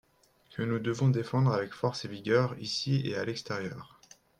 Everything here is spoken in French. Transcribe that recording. que nous devons défendre avec force et vigueur, ici et à l’extérieur.